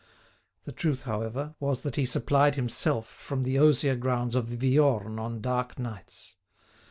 The truth, however, was that he supplied himself from the osier grounds of the Viorne on dark nights.